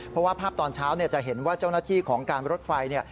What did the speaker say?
เพราะว่าภาพตอนเช้าจะเห็นว่าเจ้าหน้าที่ของการรถไฟ